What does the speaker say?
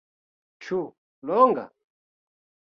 Ĉu longa?